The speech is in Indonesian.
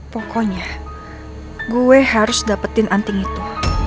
pokoknya gue harus dapetin anting itu